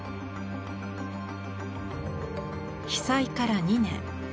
被災から２年。